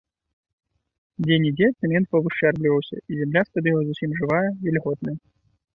Дзе-нідзе цэмент павышчэрбліваўся, і зямля з-пад яго зусім жывая, вільготная.